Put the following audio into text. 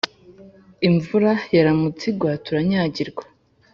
imvura yaramutse igwa turanyagirwa